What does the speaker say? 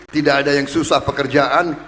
tidak ada yang susah pekerjaan